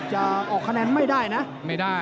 จะออกคะแนนไม่ได้นะ